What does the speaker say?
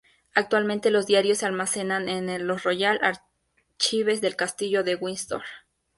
Actualmente, los diarios se almacenan en los Royal Archives del castillo de Windsor.